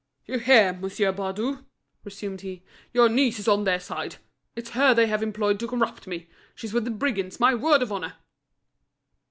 "You hear. Monsieur Baudu," resumed he, "your niece is on their side, it's her they have employed to corrupt me. She's with the brigands, my word of honour!"